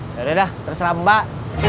yaudah terserah mbak